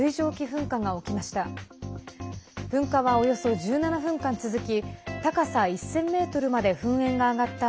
噴火は、およそ１７分間続き高さ１０００ｍまで噴煙が上がった